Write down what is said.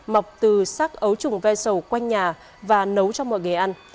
mọc từ xác ấu trùng ve sầu quanh nhà và nấu cho mọi người ăn